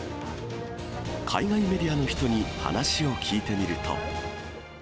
海外メディアの人に話を聞いてみると。